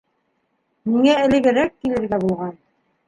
- Миңә элегерәк килергә булған.